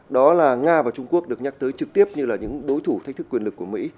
đó là nga và trung quốc được nhắc tới trực tiếp như là những đối thủ thách thức quyền lực của mỹ